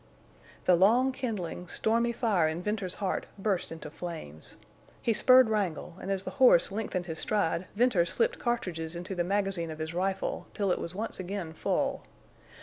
_" The long kindling, stormy fire in Venters's heart burst into flame. He spurred Wrangle, and as the horse lengthened his stride Venters slipped cartridges into the magazine of his rifle till it was once again full.